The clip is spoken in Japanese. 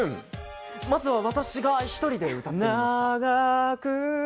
まずは私が１人で歌いました。